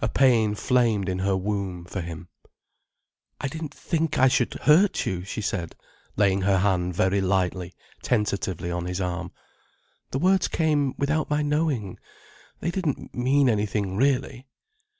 A pain flamed in her womb, for him. "I didn't think I should hurt you," she said, laying her hand very lightly, tentatively, on his arm. "The words came without my knowing. They didn't mean anything, really."